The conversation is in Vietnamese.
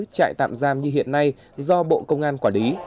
trại tạm giam như hiện nay do bộ công an quản lý